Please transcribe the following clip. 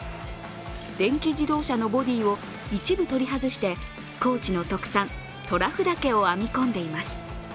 電気自動車のボディを一部取り外して高知の特産・虎斑竹を編み込んでいます。